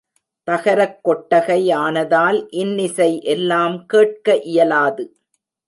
தகரக் கொட்டகை ஆனதால் இன்னிசை எல்லாம் கேட்க இயலாது.